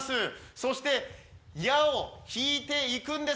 そして矢を引いていくんです。